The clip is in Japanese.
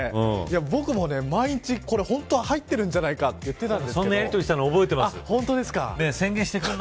僕も毎日本当、入ってるんじゃないかといってたんですけど。